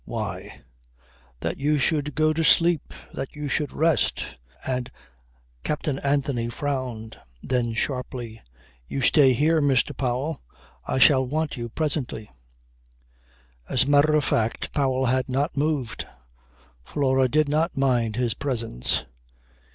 "Why! That you should go to sleep. That you should rest." And Captain Anthony frowned. Then sharply, "You stay here, Mr. Powell. I shall want you presently." As a matter of fact Powell had not moved. Flora did not mind his presence.